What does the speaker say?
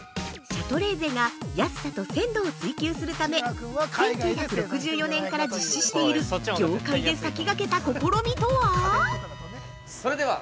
◆シャトレーゼが安さと鮮度を追及するため１９６４年から実施している業界で先駆けた試みとは？